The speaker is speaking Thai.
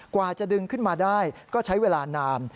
กว่าจะดึงขึ้นมาได้ก็ใช้เวลานาน